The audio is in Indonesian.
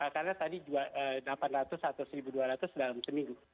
karena tadi delapan ratus atau satu dua ratus dalam seminggu